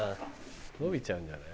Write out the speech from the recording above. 伸びちゃうんじゃない？